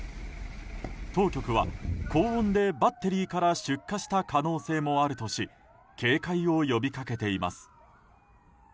当局は高温でバッテリーから出火した可能性もあるとし警戒を呼びかけています。